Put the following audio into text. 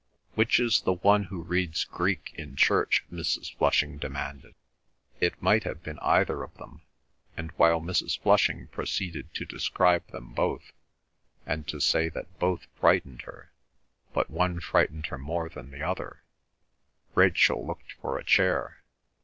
"Which is the one who reads Greek in church?" Mrs. Flushing demanded. It might have been either of them and while Mrs. Flushing proceeded to describe them both, and to say that both frightened her, but one frightened her more than the other, Rachel looked for a chair.